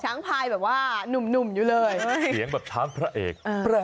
พายแบบว่าหนุ่มอยู่เลยเสียงแบบช้างพระเอก